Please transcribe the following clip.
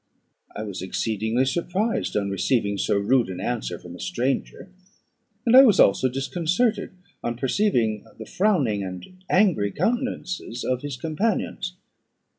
I was exceedingly surprised on receiving so rude an answer from a stranger; and I was also disconcerted on perceiving the frowning and angry countenances of his companions.